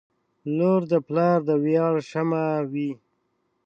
• لور د پلار د ویاړ شمعه وي.